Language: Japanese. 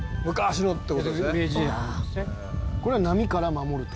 「これは波から守るって事？」